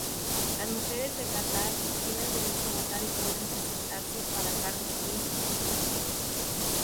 Las mujeres de Catar tienen derecho a votar y pueden presentarse para cargos políticos.